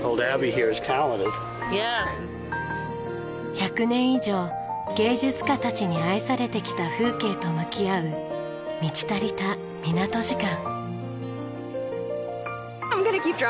１００年以上芸術家たちに愛されてきた風景と向き合う満ち足りた港時間。